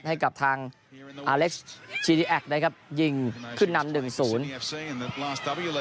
ให้กับทางอาเล็กซ์ชีดีแอคนะครับยิงขึ้นนำหนึ่งศูนย์